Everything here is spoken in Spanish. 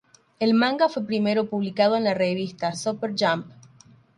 El manga fue primero publicado en la revista "Super Jump".